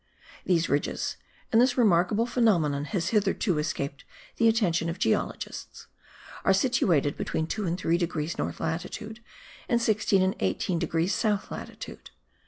These ridges (and this remarkable phenomenon has hitherto escaped the attention of geologists) are situated between 2 and 3 degrees north latitude, and 16 and 18 degrees south latitude.